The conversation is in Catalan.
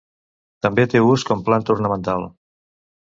També té ús com planta ornamental.